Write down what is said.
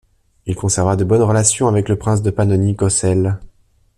Il conserva de bonnes relations avec le prince de Pannonie, Kocel.